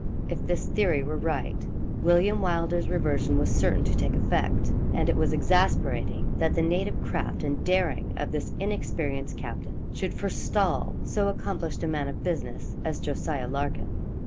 If this theory were right, William Wylder's reversion was certain to take effect; and it was exasperating that the native craft and daring of this inexperienced captain should forestall so accomplished a man of business as Jos. Larkin.